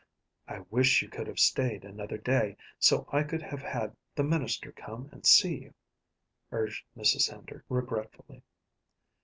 "I wish you could have stayed another day, so I could have had the minister come and see you," urged Mrs. Hender regretfully.